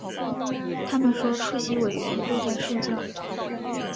他们说出席委员都在睡觉